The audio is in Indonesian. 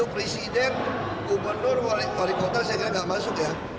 presiden gubernur warga kota saya kira gak masuk ya